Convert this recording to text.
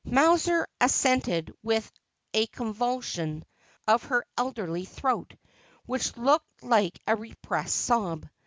Mowser assented with a convulsion of her elderly throat, which looked like a repressed sob.